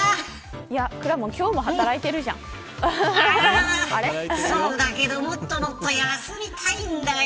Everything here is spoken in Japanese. くらもん今日も働いているじゃそうだけどもっと休みたいんだよ。